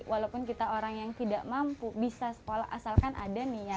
walaupun kita orang yang tidak mampu bisa sekolah asalkan ada nih ya